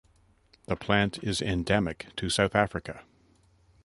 The plant is endemic to South Africa.